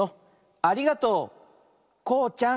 ありがとうこうちゃん。